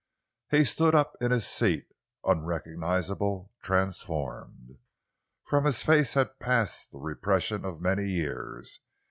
He stood up in his seat, unrecognisable, transformed. From his face had passed the repression of many years.